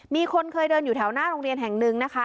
มีคนเคยเดินอยู่แถวหน้าโรงเรียนแห่งหนึ่งนะคะ